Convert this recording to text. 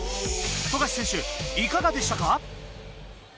富樫選手、いかがでしたか？